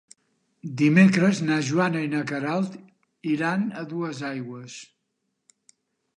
Dimecres na Joana i na Queralt iran a Duesaigües.